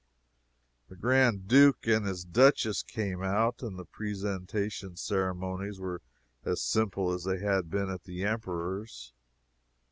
The Grand Duke and his Duchess came out, and the presentation ceremonies were as simple as they had been at the Emperor's.